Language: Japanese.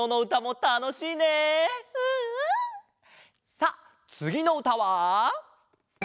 さあつぎのうたは？